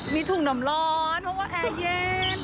มีถุงหน่อมร้อนเพราะว่าแอร์เย็น